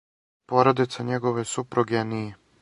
Породица његове супруге није.